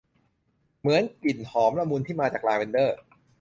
เหมือนกลิ่นหอมละมุน ที่มาจากลาเวนเดอร์